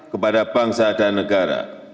kepada bangsa dan negara